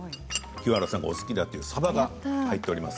清原さんがお好きだというさばが入っています。